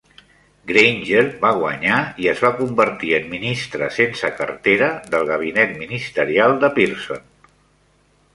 Granger va guanyar i es va convertir en ministre sense cartera del gabinet ministerial de Pearson.